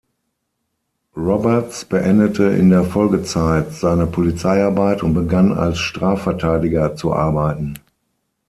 Roberts beendete in der Folgezeit seine Polizeiarbeit und begann als Strafverteidiger zu arbeiten.